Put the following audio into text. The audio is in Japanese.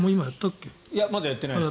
まだやってないです。